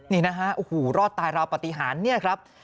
นี่นะฮะโอ้โหรอดตายราวปฏิหารเนี่ยครับ